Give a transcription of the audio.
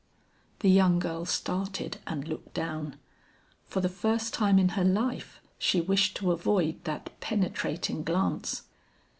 The young girl started and looked down. For the first time in her life she wished to avoid that penetrating glance.